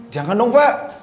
jangan dong pak